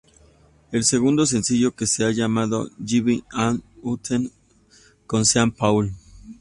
El segundo sencillo que se ha llamado "Give It a Usted" con Sean Paul.